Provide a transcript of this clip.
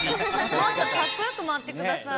もっとかっこよく回ってくだ